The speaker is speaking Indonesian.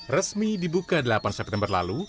resmi dibuka delapan september lalu